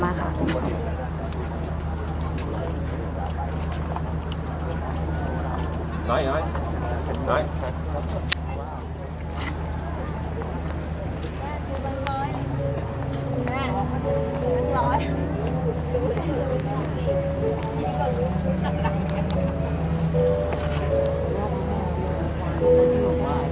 เท่าไหร่เอาชิ้นนี้มาโดยไม่ต้องพูดแบบไหนถึงไม่ใช่สันติภัย